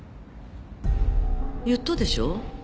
言ったでしょう？